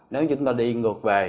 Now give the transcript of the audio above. nếu chúng ta đi ngược về